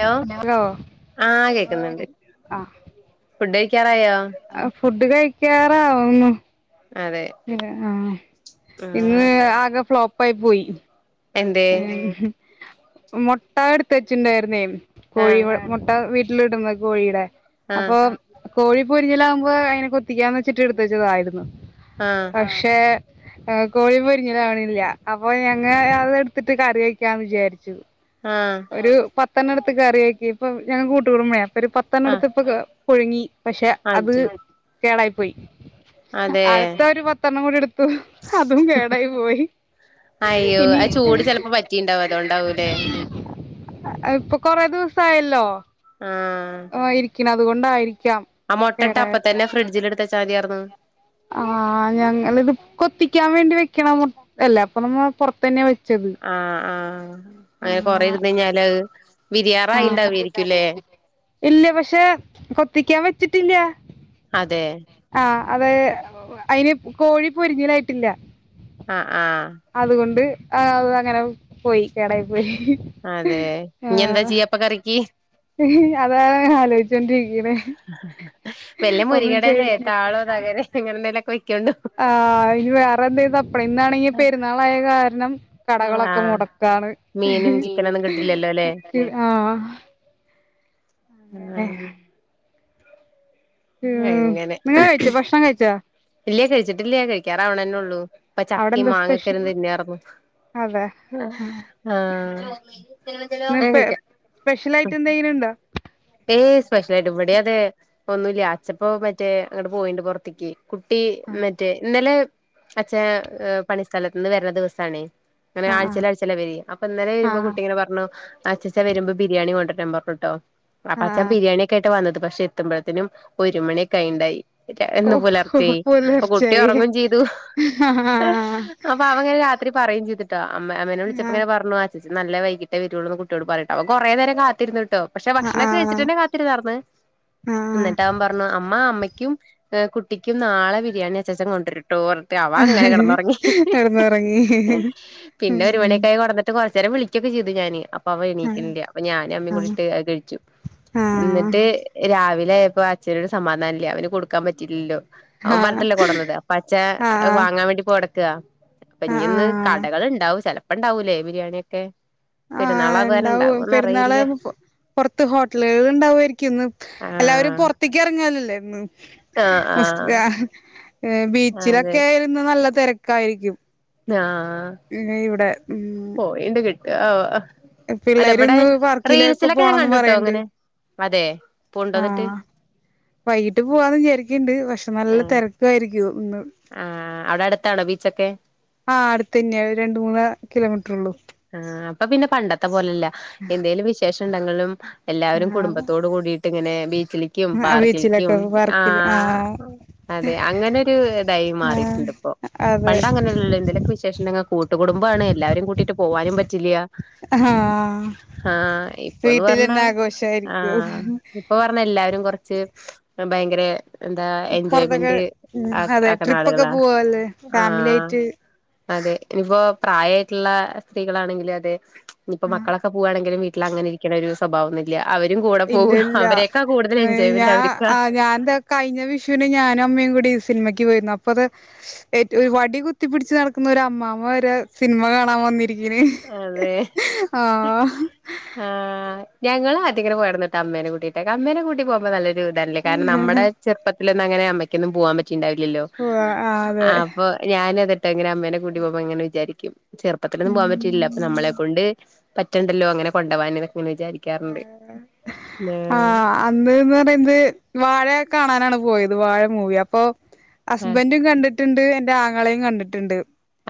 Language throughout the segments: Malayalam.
ഹലോ ആഹ കേക്കുന്നുണ്ട് ഫുഡ്‌ കഴി ഫുഡ് കഴിക്കാറാവുന്നു അതെ ആഹ ആഹ് ഇന്ന് ആകെ ഫ്ലോപ്പായി പോയി എന്തേ ഉം മുട്ട എടുത്ത് വച്ചിണ്ടായിരുന്നേ കോഴി ആഹ് മുട്ട വീട്ടി ലിടുന്ന കോഴിയുടെ ആഹ് അപ്പൊ കോഴി പൊരിഞ്ഞിലാകുമ്പോ അങ്ങനെ കൊത്തിക്കാൻ വച്ചിട്ട് എടുത്ത് വെച്ചതായിരുന്നു ആഹ് പക്ഷെ കോഴി പൊരിഞ്ഞതാണില്ല അപ്പൊ ഞങ്ങ ഒരു കറിവെക്കാന്ന് വിചാരിച്ചു ആഹ് ഒരു പത്തെണ്ണ ണ്ണടുത്ത് കറിയാക്കി ഇപ്പ ഞങ്ങ കൂട്ടുകൂടമ്പയാ അപ്പോരു പത്തെണ്ണ ആഹ് അടുത്ത് പുഴുങ്ങി പക്ഷെ അത് അജു കേടായി പോയി അതെ അടുത്ത ഒരു പത്തെണ്ണംകുടി എടുത് അതും കേടായി പോയി അയ്യോ ഇനി ആ ചൂട് ചെലപ്പോ വറ്റിണ്ടാവും അതൊണ്ടാവൂലേ ഇപ്പൊ കൊറേ ദിവസായല്ലോ ആഹ പിന്നെ അതുകൊണ്ടായിരിക്കും ആ മുട്ട അപ്പ തന്നെ ഫ്രിഡ്ജിൽ എടുത്ത് വെച്ചാമതിയർന്ന് ആഹ ഞങ്ങളിത് കൊത്തിക്കാൻ വേണ്ടി വെക്കണ മു അല്ല അപ്പൊ നമ്മ പുറത്തന്നെയാ വെ ആ ആഹ അങ്ങനെ കൊറെ ആ ഇരന്ന് കഞ്ഞാല് വിരിയാറയിണ്ടാവരിക്കുംല്ലേ? ഇല്ല പക്ഷെ കൊത്തിക്കാൻ വെച്ചിട്ടില്ല. അതെ അതെ അയിന് കോഴി പൊരിഞ്ഞിലായിട്ടില്ല ആഹ് ആഹ് അതുകൊണ്ട് അത് അങ്ങനെ പോയി കേടായി പോയി അതെ ആ ഇനി എന്താ ചെയ്യാ അപ്പൊ കറിക്ക് അതാ ആലോചിച്ചോ ഇനെ വല്ല ഒന്നും ചെയ മുരിങ്ങടെലേ താളോ തകരെ അങ്ങനെ എന്തെലൊക്കെ വെക്കോണ്ടു ആ ഇനി വേറെ എന്തെങ്കിലും തപ്പണം ഇന്നാണെങ്കിൽ പെരുന്നാളായ കാരണം കടകളൊക്കെ ആഹ് മുടക്കാ ആണ് മീനും ചിക്കനൊന്നും കിട്ടില്ലല്ലോ ല്ലേ ഉം ഉം എങ്ങനെ നിങ്ങൾ കഴിച്ചോ ഭക്ഷണം കഴിച്ചോ ഇല്ലയേ കഴിചിട്ടില്ലേ കഴിക്കാറ് അവവണെന്നെ ഉള്ളൂ ഇപ്പ അവിടെ ചക്ക എന്താ മാങ്ങൊക്കെ സ്പെഷ്യൽ ഇരുന്നു തിന്നാർന്നു. അതെ ആ ആ ഇന്ന് ആ കഴിക്കാ സ്പെഷ്യൽ ആയിട്ട് എന്തെങ്കിലുണ്ടോ ഏയ് സ്പെഷ്യല ആയിട്ട് ഇവിടെ അതെ ഒന്നുല്ല അച്ചപ്പവും മറ്റേ അങ്ങോട്ട് പോയിണ്ട് പോറത്തേക്ക് കുട്ടി ആ മറ്റേ ഇന്നലെ അച്ഛൻ പണിസ്ഥലത്തുന്ന് വരുന്ന ദിവസണേ അങ്ങനെ ആ ആഴ്ചയിൽ ആഴ്ചയിൽ വരി അപ്പൊ ഇന്നലെ ആ ആ വരുമ്പോ കുട്ടിങ്ങനെ പറഞ്ഞു. അച്ചാച്ച വരുമ്പോ ബിരിയാണി കൊണ്ടുരാൻ പറഞ്ഞുട്ടോ അപ്പൊ ആ ആ അച്ചൻ ബിരിയാണിയൊക്കെ ആയിട്ട വന്നത്. പക്ഷെ എത്തുമ്പോഴ്‌ത്തിനും ഒരുമണിയൊക്കെ ആയി ഉണ്ടായി. എന്ന് ഓഹോ പുലർച്ചെ അപ്പൊ കുട്ടി പുലർച്ചായി ഉറങ്ങും ചെയ്തു. ആഹ് അപ്പൊ അവങ്ങനെ രാത്രി പറയെയും ചെയ്തു അമ്മ അമ്മനെ വിളിച്ചപ്പോ ആഹ് ഇങ്ങനെ പറഞ്ഞു അച്ചാച്ചൻ നല്ല വൈകിട്ടെ വേരുള്ളു കുട്ടിയോട് പറട്ട അവ കുറെ നേരം കാത്തിരുന്ന്. കേട്ടോ പക്ഷെ ഭക്ഷണൊക്കെ ആഹ് കഴിച്ചിട്ടന്നെ കാത്തിരുന്നാർന്ന് ആഹ് എന്നിട്ട് അവൻ പറഞ്ഞു അമ്മ അമ്മയ്ക്ക് ക്കും കുട്ടിക്കും നാളെ ബിരിയാണി അച്ചാച്ചൻ കൊണ്ടുരും അവ അങ്ങനെ കിടന്നറങ്ങി കെടന്നുറങ്ങി പിന്നെ ഒരു ഉം മണിയക്കായി ഓണന്നിട്ട് കൊ വിളിക്കൊക്ക ചെയ്ത് ഞാൻ അപ്പ അവ ആഹ് എണീക്കണില്ല അപ്പ ഞാനും അമ്മയും ആഹ് കൂടിട്ട് കഴിച്ചു. എന്നിട്ട് രാവിലെയപ്പോ അച്ഛനോട് സമാധാനല്ല അവന് കൊടുക്കാൻ പറ്റില്ലല്ലോ? അവൻ ആഹ് പറത്തിട്ടാല്ലേ കൊണ്ടുന്നത് അപ്പൊ അച്ച ആഹ് വാങ്ങാൻ വേണ്ടി പോ അപ്പൊ ഇനിന്ന് ആഹ് കടകൾ ഉണ്ടാവും ചെലപ്പോ ഇണ്ടാവൂലേ ബിരിയാണിയൊക്കെ ആ പെരുന്നാളായത് കാരണം ഇണ്ടാവും ഉണ്ടാവോന്ന് പെരുന്നാള് അറിയില്ല പുറത്ത് ഹോ ട്ടലുകൾ ഉണ്ടാവുമായിരിക്കും ഇന്ന് എല്ലാവരും ആഹ് പുറത്തേക്ക് ഇറങ്ങാലല്ലേ ഇന്ന് ആഹ് സ് ആഹ് ബീച്ചിലൊക്കെ ഇരുന്ന് നല്ല തിരക്കായിരിക്കും. ആ ഇവിടെ ഉം പോ എന്റെ കിട്ടുവെ ആവോ അല്ല ഇവിടെ പിള്ളേരിന്ന് പാർക്കിലൊക്കെ റീൽസിലൊക്കെ ഞാൻ പോണംന്ന് കണ്ടിട്ടോ പറയണ്ട് ഇങ്ങനെ അതെ പൊണ്ടോന്നിട്ട് ആഹ് വൈകിട്ട് പോവാന്ന് വിചാരിക്കണ്ട് പക്ഷെ നല്ല ആഹ് തിരക്കയിരിക്കും. ഒന്ന് ആഹ് അവിടെ അടുത്താണോ ബീച്ചൊക്കെ ആ അടുത്ത് തന്നെയാണ് രണ്ട് മൂന്ന് കിലോമീറ്ററെ ഉള്ളൂ ആ അപ്പൊ പിന്നെ പണ്ടത്തെ പോലല്ല എന്തേലും വിശേഷം ഉണ്ടെങ്കിലും എല്ലാവരും കുടുംബത്തോട് കൂടിയിട്ട് ഇങ്ങനെ ബീച്ചിലേക്കും ആ പാർക്കിലേക്കും ബീച്ചിലൊക്കെ ആ പാർക്കില് അതെ അങ്ങനെ ഒരു ഇതായി ആ മാറിയിട്ടുണ്ട് ഇപ്പോ അതെ പണ്ട് അങ്ങനെയല്ലല്ലോ എന്തേലും ഒക്കെ വിശേഷണ്ടെ കു കൂട്ടുകുടുംബമാണ് എല്ലാവരെയും കൂട്ടയിട്ട് പോവാനു പറ്റില്ല ആ ആ ഇപ്പൊന്ന് പറഞ്ഞ വീട്ടിലന്നെ ആ ആഘോഷായിരിക്കും ഇപ്പൊ പറഞ്ഞ എല്ലാരും കൊറ ഭയങ്കര എന്താ പൊറത്തൊക്കെ എൻജോയ്മെന്റ് ഉം ആ അതെ ആക്കണ ട്രിപ്പൊക്കെ ആളുകളാ പോവല്ലേ ആ ഫാമിലി ആയിട്ട് ആ അതെ ഇനിയിപ്പോ പ്രായമായിട്ടുള്ള സ്ത്രീകളാണെങ്കിലും അതെ ഇപ്പ ആ മക്കളൊക്കെ പോവവാണെങ്കിലും വി അങ്ങനെ ഇരിക്കുന്ന ഒരു സ്വഭാവം ഒന്നുല്ല കൂടെ പോ അവരക്കെ ഞാൻ ആ ഞാൻ എന്താ കഴിഞ്ഞ വിഷുവിന് ഞാനും അമ്മയും കൂടി സിനിമയ്ക്ക് രുന്നു അപ്പൊ അത് ഏറ്റ വടി കുത്തിപ്പിടിച്ച് നടക്കുന്ന ഒരു അമ്മാമ്മ വരെ സിനിമ കാണാൻ വന്നി അതെ ആ ആഹ് ഞങ്ങള് ആറ്റൻക്കര പോയരുന്ന്ട്ടാ അമ്മേനെ കൂട്ടിട്ട് അമ്മേനെകൂട്ടി പോകുമ്പോൾ നല്ലൊരു ഇതല്ലേ കാരണം നമ്മുടെ ചെറുപ്പ അങ്ങനെ അമ്മക്കൊന്നും പോവാൻ പറ്റിണ്ടാവില്ലല്ലോ അതെ അപ്പൊ ഞാന അങ്ങനെ അമ്മേന കൂട്ടി പോകുമ്പോൾ അങ്ങന വിചാരിക്കും ചെറുപ്പത്തിലൊന്നും പോവാൻ പറ്റില്ലല്ലോഅപ്പൊ നമ്മളെ കൊണ്ട് പറ്റണ്ടല്ലോ അങ്ങനെ കൊണ്ടുപോവാൻ ആ ആഹ് അന്ന്ന്ന് പറയുന്നത് വാഴ കാണാനാണ് പോയത് വാഴ മൂവി അപ്പോ ഹസ്ബൻൻ്റും കണ്ടിട്ട് ട്ടുണ്ട് എന്റെ ആങ്ങളെയും കണ്ടിട്ടുണ്ട്.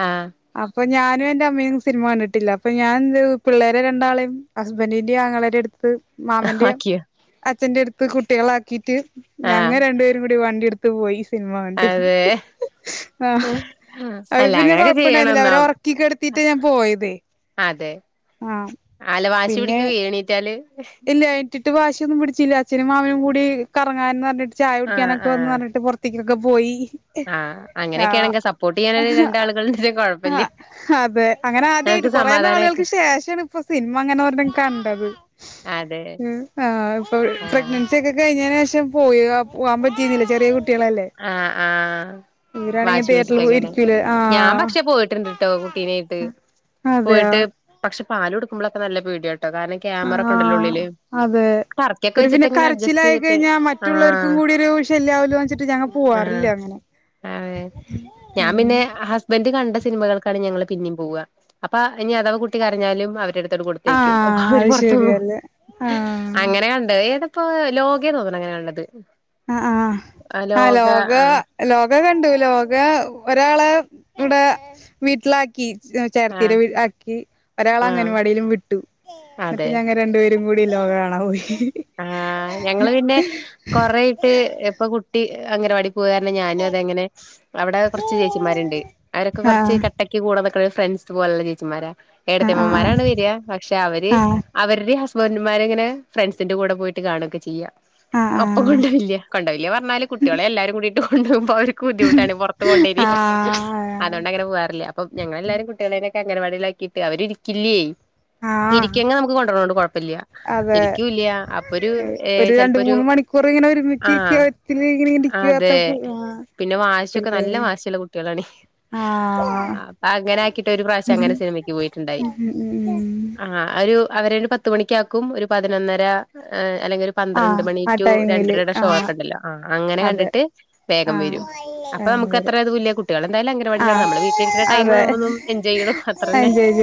ആഹ് അപ്പൊ ഞാനും എന്റെ അമ്മയും സിനിമ കിണ്ടിട്ടില്ല അപ്പൊ ഞാൻ [unintelligible] ചെയ്തു പിള്ളേരെ രണ്ടാളെയും ഹസ്ബൻ്റിൻ്റെ ആങ്ങളുടെ അടുത്ത് മാമന്റെയും ആക്കിയോ അച്ഛന്റെ അടുത്ത് കുട്ടികളെ ആക്കിട്ട് ആഹ് ഞങ്ങ രണ്ടുപേരും കൂടി വണ്ടി എടുത്ത് പോയി സിനിമ കണ്ട് അതെ ആഹ് അവര് അല്ല പിന്നെ അങ്ങനെയൊക്കെ കൊഴപ്പുണ്ടായിരുന്നില്ല ചെയ്യണംന്നാ അവരെ ഉറക്കി കിടത്തിയിട്ടാ ഞാൻ പോയതെ അതെ ആള് വാശി പിന്നെ പിടിക്കോ എണീ ഇല്ല എണീറ്റിട്ട് വാശി ഒന്നും പിടിച്ചില്ല അച്ഛനും മാമനും കൂടി കറങ്ങാനന്ന് പറഞ്ഞിട്ട് ചായ ആഹ് കുടിക്കാനൊക്കെ വന്ന് ആഹ് പറഞ്ഞിട്ട് പുറത്തേക്കൊക്കെ പോയി. ആഹ് ആ അങ്ങനെയൊക്കെയാണെങ്കിൽ സപ്പോർട്ട് ചെയ്യാന് രണ്ടാളുകളുണ്ടെങ്കിൽ ആ കൊഴപ്പല്ല അതെ അങ്ങനെ ആദ്യ ട്ട് നമുക്ക് കുറേ നാളുകൾക്ക് സമാധാനായിട്ട് ശേഷമാണ് ഇപ്പൊ സിനിമ അങ്ങനെ ഒരണ്ണം കണ്ടത്. അതെ ഉം ആ ആഹ് പ്രെഗ്നൻസി ഒക്കെ കഴി കഴിഞ്ഞതിന് ശേഷം പോയി പോകാൻ പറ്റിരുന്നില്ല ചെറിയ കുട്ടി ആഹ ആഹ് ഇവരാണെങ്കി വാശി തിയേറ്ററിൽ പോയി പിടിച്ചിട്ടൊക്കെല്ലെ ഇരിക്കൂലേ ഞാൻ ആഹ് പക്ഷെ പോയിട്ടുണ്ട്ട്ടോ കുട്ടീനെയിട്ട് അതെയ പോയിട്ട് പക്ഷെ പാൽ കൊടുക്കുമ്പോളൊക്കെ നല്ല പോടിയാട്ടോ കാരണം ക്യാമറ ഒക്കെ ഉണ്ടല്ലോ ആഹ് ഉള്ളില് അതെ ടർക്കിയൊക്കെ ഒരു വെച്ചിട്ട് പിന്നെ ഇങ്ങനെ അഡ്ജസ്റ്റ് കരച്ചിലായി ചെയ്തിട്ട് കഴിഞ്ഞാൽ മറ്റുള്ളവർക്കും കൂടി ഒരു ശല്യവുല്ല ആ അ ഞാൻ ഉം പിന്നെ ഹസ്ബൻഡ് കണ്ട സിനിമകൾക്കാണ് ഞങ്ങൾ പിന്നയും പോവുക അപ്പൊ ഇനി അഥവാ കുട്ടി കരഞ്ഞാലും അവര് കൊടുത്തേക്കും അപ്പൊ ആഹ് അവര് അത് പുറത്ത് പോകും ശരിയല്ലേ ആഹ് അങ്ങനെ കണ്ട ഇപ്പൊ ലോക തോന്നുന്നു അങ്ങനെയ ഉള്ളത് ആ ആഹ ആ ലോക ആ ലോക ലോക കണ്ടു ലോക ഒരാളെ ഇവിടെ വീട്ടിലാക്കി ആ ചേട്ടത്തിടെ വീട്ടി ആക്കി ഒരാൾ ആ അംഗ വാടിയിലും വിട്ടു അതെ എന്നി്ട്ട് ഞങ്ങൾരണ്ടു പേരും കൂടിലോക കാണാൻ പോയി. ആഹ ഞങ്ങള് പിന്നെ കൊറയിട്ട് ഇപ്പൊ കുട്ടി അംഗവാടി ഞാനും അതെങ്ങനെ അവിടെ കുറച്ച് ചേച്ചിമാരുണ്ട് അവരൊക്കെ കുറച്ച് ആഹ് കട്ടക്ക് കൂടെ നിക്കുണ ഫ്രണ്ട്സ് പോലുള്ള ചേച്ചിമാരാ ആഹ് ആഹ് എടത്തിമ്മമാരാണ് വരിക പക്ഷെ അവര് ആഹ് അവരുടെ പൊന്മാരെങ്ങനെ ഫ്രണ്ട്സിന്റെ കൂടെ പോയി കാണയൊക്കെ ചെയ്യുക ആഹ് അപ്പൊ കൊണ്ടാവില്ല കൊണ്ടവില്ല പറഞ്ഞാല് കുട്ടികളെ എല്ലാരും കൂടിയിട്ട് കൊണ്ടു പോ അവർക്ക് ബുദ്ധിമുട്ടാണ് പുറത്ത് പോണ്ടിവരും ആഹ് അതുകൊണ്ട് അങ്ങനെ പോകറില്ല അപ്പൊ ഞങ്ങൾെല്ലാരും കുട്ടികളെ അങ്ങനവാടിയിലാക്കിയിട്ട് അവര് ഇരിക്കില്ലേ ആഹ് ആഹ് ഇരിക്കുങ്കിൽ നമുക്ക് കൊണ്ടുവരണണ്ട് കുഴപ്പില്ല. അതെ അപ്പൊ ഒരു ഒരു രണ്ട് ചിലപ്പോരു മൂന്ന് മണിക്കൂർ ഇങ്ങനെ ആ ഒരുമിച്ചിരിക്കത്തില് ഇങ്ങനെ ഇരിക്കാത്ത അതെ ആഹ് പിന്നെ വാശൊക്കെ പിന്നെ നല്ല വാശി ഉള്ള കുട്ടികളാണ് അപ്പൊ ആഹ് അങ്ങനെ ആക്കിട്ട് ഒരു പ്രാവശ്യം അങ്ങനെ സിനിമക്ക് പോയിട്ടുണ്ടായി ഉം ഉം ഉം ഉം ആ അവര് ഒരു പത്ത് മണിക്കാക്കും ഒരു പതിനൊന്നര അല്ലെങ്കിൽ ഒരു പന്ത്രണ്ട് ആഹ് ആ മണിക്ക് ടൈമില് രണ്ടരയുടെ ഷോ ആഹ് ഒക്കെ ഉണ്ടല്ലോ ആ അങ്ങനെ അതെ കണ്ടിട്ട് വേഗം ആഹ് വരും അപ്പൊ ടൈമില് നമുക്ക്ത്ര അത ഇല്ല കുട്ടികള എന്തായാലും അംഗനവാടിയിലാണ് ആഹ് നമ്മ വീട്ടിലിരിക്കുന്ന ടൈം അതെ നമ്മ എൻജോയ് ചെയ്യുന്നു അത്ര തന്നെ. എൻജോയ്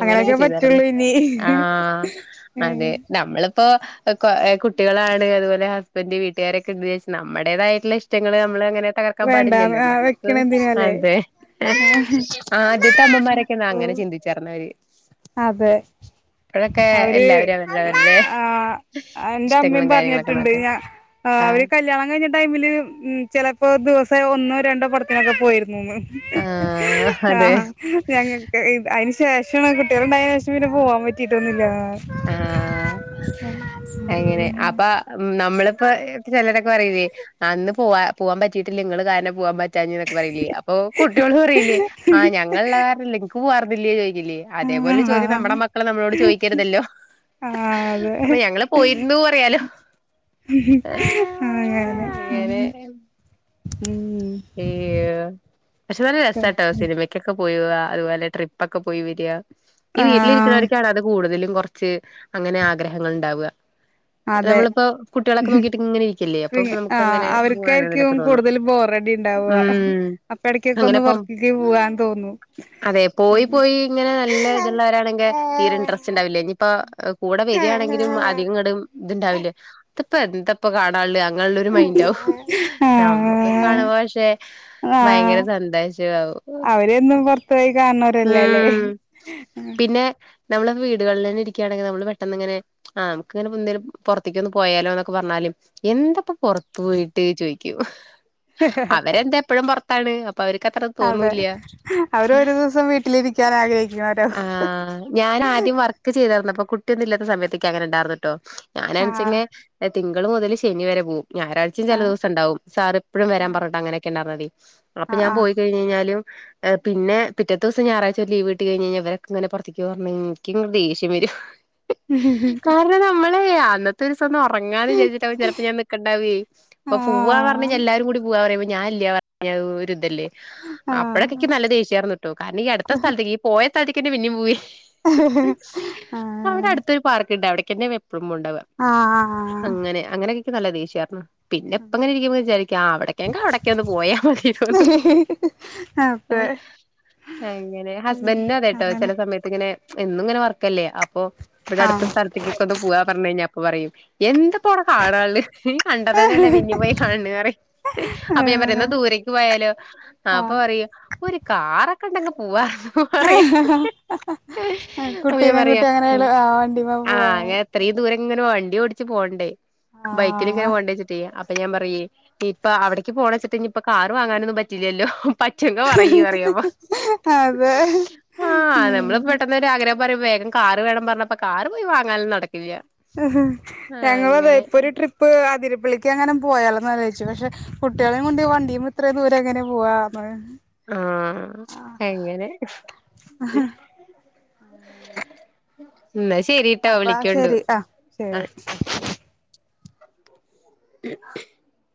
അങ്ങനെയൊക്കെ പറ്റുള്ളൂ ഇനി ആഹ് ഉം അതെ നമ്മള് ഇപ്പോ കുട്ടികളാണ് അതുപോലെ ഹസ്ബൻ്റ വീട്ടുകാരൊക്കെ ഉണ്ടന്ന് വെച്ചിട്ട് നമ്മടേതായിട്ടുള്ള ഇഷ്ടങ്ങൾ നമ്മൾ തകർക്കാൻ വേണ്ട പാടില്ലല്ലോ നമുക്ക് വെക്കണ എന്തിനാല്ലേ അതെ ആദ്യത്തെ അമ്മമാരെക്കെ അങ്ങനെ അങ്ങനെ ഓഹ് ചിന്തിച്ചു പറഞ്ഞവര് അതെ അവര് എല്ലാവരും ആ അവരവരുടെ ആ എന്റെ അമ്മയും ഇഷ്ടങ്ങളും കാര്യങ്ങളൊക്കെ പറഞ്ഞിട്ടുണ്ട് നോക്കാൻ ഞാ അവര് ആഹ് കല്യാണം കഴിഞ്ഞ ടൈമില് ചിലപ്പോ ദിവ ഒന്നോ രണ്ടോ പടത്തിനൊക്കെ പോയിരു ആഹ് ആ അതെ ഞങ്ങക് അയിന് ശേഷ [unintelligible] ണ്ട യെഷം പിന്നെ പോവാൻ പറ്റിട്ടോന്നില്ല ആ അങ്ങനെ അപ്പ നമ്മള് പ്പൊ ചെലരൊക്കെറയൂല്ലേ അന്ന് പോവാ പോവാൻ പറ്റീട്ടില്ല നിങ്ങള് കാനം പോവാൻ പറ്റ് ചാഞ്ഞന്നൊക്കെ [unintelligible] അപ്പം പറയില്ലേ അപ്പൊ കുട്ടികള് പറയില്ലേ ആ ഞങ്ങളുള്ള കാരണം എനക്ക് പോവാർന്നില്ലേ അതേപോലെ ആഹ് ചോദ്യം നമ്മ മക്കളെ നമ്മളോട് ചോദിക്കരുതല്ലോ ആ അതെ അപ്പൊ ഞങ്ങള് പോയിരുന്നു പറയാലോ [unintelligible] ഉം യോ പക്ഷെ നല്ല ഉം രസാട്ട സിനിമക്കൊക്കെ അയിപോലെ ട്രിപ്പൊക്കെ പൊയി വരാ ഈ ആഹ് വീട്ടിലിരിക്കിരിക്കുന്നോർക്കാണ് അത് കൂടുതലും കൊ ച്ച് അങ്ങനെ ആഗ്രഹങ്ങൾ ഉണ്ടാവ [inaudible] നമ്മളിപ്പോ കുട്ടികളൊക്കെ നോക്കിട്ട് ഇങ്ങനെ ഇരിക്കല്ലേ അപ്പൊ ആ നമുക്ക് അങ്ങനെ പോകാനൊക്കെ അവർക്കായിരിക്കും തോന്നും ഉം അപ്പെടക്കൊക്കെ അങ്ങനെ ഒന്ന് പോ പൊർത്തേക്ക് പോവാൻ തോന്നും അതെ പോയിപ്പോയി ഇങ്ങനെ നല്ലെത്ള്ളവരാണെങ്കി തീരെ ഇൻട്രസ്റ്റ് ഉണ്ടാവില്ലേ ഇനീപ്പോ കൂടെ വര്യാണെങ്കിലും അധികം കട ഇതുണ്ടാവില്ലേ അതിപ്പോ എന്തപ്പ കാണ ള്ള് അങ്ങനുള്ളൊരു മൈൻഡാവു നമ്മക്ക് കാണ ആഹ് [unintelligible] ക്ഷെ ഭയങ്കര ആഹ് സന്ത [unintelligible] അവരെന്നും പുറത്തു പോയി കാണുന്നവരല്ലേ അല്ലേ ഉം പിന്നെ നമ്മള വീടുകളിൽന്നെ ഇരിക്കുകയാണെങ്കിൽ നമ്മള്പെട്ടന്ന്ങ്ങനെ ആ നമുക്ക്ങ്ങനെ പുറത്തേക്കെന്നു പോയല്ലോ എന്ന് പറഞ്ഞാ എന്തപ്പ പൊറത്തു പോയിട്ട് ചോയിക്കും അവരെന്താ എപ്പഴും പൊറത്താ [inaudible] അതെ അവരൊരു ദിസം വീട്ടിലിരിക്കാൻ ആഗ്രഹിക്കു ആ ഞാൻ ആദ്യം വർക്ക് ചെയ്തർന്ന അപ്പൊ കുട്ടിയൊന്നും ഇല്ലാത്ത സമയത്തേക്കെ അങ്ങനെ ഇണ്ടാർന്നുട്ടോ ആഹ് ഞാനച്ചെങെ തിങ്കള് മുതല് ശനി വരെ പോവും ഞാറാഴ്ചയും ആഹ് ചെലദെവസംണ്ടാവും സാറിപ്പോഴും വരാമ്പറഞ്ഞിട്ട് അങ്ങനൊക്കെ [unintelligible] അപ്പൊ ആഹ് ആഹ് ഞാമ്പോയികഴിഞ്ഞഴിഞ്ഞാലും പിന്നെ പിറ്റേത്തെസം ഞായറാഴ്ച ഒരു ലീ- ട്ടി കയ്ഞ്ഞയിഞ്ഞ വരെക്കെങ്ങനെയ [unintelligible] നിക്കങ്ങട്ദേഷ്യംവരും ഉ [unintelligible] ഏ അന്നത്തെ ഒന്ന് ഉറങ്ങാന്ന് ച്ച്ചിട്ട ചിലപ്പോ ഞാൻ നക്കണ്ടാവേ ഇപ്പൊ പോവാന്ന് പറഞ്ഞ ആഹ് എല്ലാരും കൂടിപോവാ ഞാല്ല്യ പറഞ്ഞാ ഒര്തല്ലേ അപ്പഴൊക്കെ ആഹ് ക്ക് നല്ല ദേഷ്യാർന്നിട്ടോ കാര്ണം ഈ അടുത്ത സ്ഥലത്തക്ക് തടിക്കെ പിന്നും പോയി അവിടെ ആഹ് അടുത്തൊരു പാർക്ക്ണ്ട് അവിടക്കന്നെ ണ്ടവ അങ്ങനെ അങ്ങനെയൊക്കെ നല്ല ദേഷ്യാർന്നു പിന്നെ പ്പങ്ങനെ ഇരിക്കുമ്പോന്ന് വിചാരിക്കു ആ അവിടക്കെങ്കി അവിടക്ക ഒന്ന് പോയാ മതീനുന്ന് ആഹ് അതെ ആ അങ്ങനെ [unintelligible] അതെട്ടോ അങ്ങനെ ചെല സമയത്ത്ങ്ങനെ എന്നുംങ്ങന വർക്കല്ലേ അ അപ്പൊ ഇവിടെ അടുത്ത ആഹ് സ്ഥലത്തേക്കൊക്ക ഒന്ന് പോവാ പറഞ്ഞു കഴിഞ്ഞാ അപ്പം പറയും എന്ത് ഇപ്പവ്ടെ കാണാള്ള് നീ കണ്ടതന്നെയല്ലേ വിഞ്ഞു പോയി കാണണേന്നറയു അപ്പൊ ഞാമ്പറയുന്നാ ദൂരേക്ക് പോയാലോ ആഹ് അപ്പൊറയ ഒരു കാ കണ്ടങ് പോവാ ആ ഹ ഹ അപ്പൊ ഞാൻ കുട്ടീനെ പറയാ കുട്ടി അങ്ങനെള് ഉം ആ വണ്ടിമ്മെ പോവ ആഹ് അങ്ങനെ ഇത്രയും ദൂരം ഇങ്ങനെ വണ്ടി ഓടിച്ച് പോവണ്ടേ ബൈക്കിൽ ഇങ്ങനെ പോകേണ്ടച്ചിട്ട് അ അപ്പൊ ഞാൻ പറയ ഇപ്പൊ അവിടേക്ക് പോകണ വെച്ചിട്ട് ഇപ്പ കാറ് വാങ്ങാനൊന്നും പറ്റില്ലല്ലോ പച്ചക്കെ പറയ് അതെ ആ നമ്മ ഉം പെട്ടന്ന് ഒരു ആഗ്ര ന്താ പറയും വേഗം കാറ് വേണം പറഞ്ഞപ്പ കാർ പോയി വാങ്ങാൽ നടക്കു ങ്ങ് ഹ് ഞങ്ങളതാ ഇപ്പൊ ഒരു ട്രിപ്പ് അതി പുളിക്ക് അങ്ങനെ പോയാലോന്ന് ആലോജിച്ചു പക്ഷെ കുട്ടികളെയും കൊണ്ട് വണ്ടിയമേ ഇത്രയും ദൂരം എങ്ങനെ പോവാന്ന് ആ എങ്ങനെ? ആഹ് [unintelligible] [unintelligible] അപ്പ ശരി ആ ആ ശരി [unintelligible]